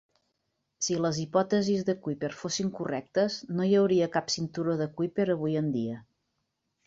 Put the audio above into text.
Si les hipòtesis de Kuiper fossin correctes, no hi hauria cap cinturó de Kuiper avui en dia.